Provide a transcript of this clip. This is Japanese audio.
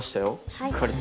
しっかりと。